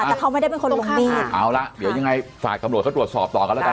แต่เขาไม่ได้เป็นคนลงบีนเอาละเดี๋ยวยังไงฝากกำลัวทดสอบต่อกันละกัน